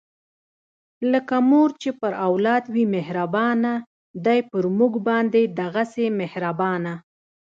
لکه مور چې پر اولاد وي مهربانه، دی پر مونږ باندې دغهسې مهربانه